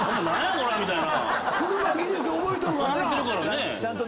車は技術覚えとるからな。